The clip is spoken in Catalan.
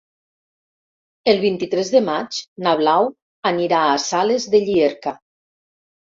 El vint-i-tres de maig na Blau anirà a Sales de Llierca.